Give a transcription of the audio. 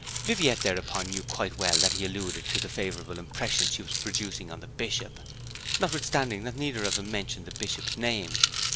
Viviette thereupon knew quite well that he alluded to the favourable impression she was producing on the Bishop, notwithstanding that neither of them mentioned the Bishop's name.